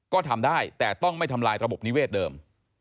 ก็ทำได้แต่ต้องไม่ทำลายระบบนิเวศเดิม